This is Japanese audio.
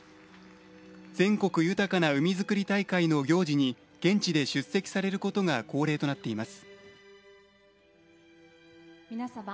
「全国豊かな海づくり大会」の行事に現地で出席されることが恒例となっています。